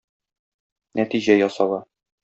Нәтиҗә ясала.